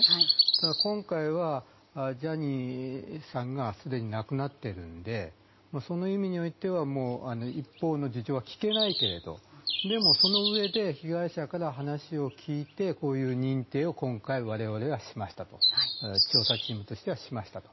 ただ、今回はジャニーさんがすでに亡くなっているのでその意味においては一方の事情は聴けないけどでも、そのうえで被害者から話を聞いてこういう認定を今回、我々がしましたと調査チームとしてはしましたと。